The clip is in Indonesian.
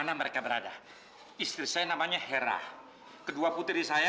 sampai jumpa di video selanjutnya